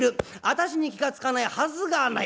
私に気が付かないはずがない。